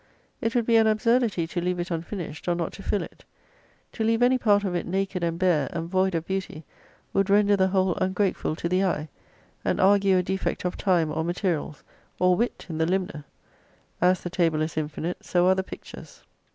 It would be an absurdity to leave it unfinished, or not to fill it. To leave any part of it naked and bare, and void of beauty, would render the whole ungrateful to the eye, and argue a defect of time or materials, or wit in the limner. As the table is infinite so are the pictures.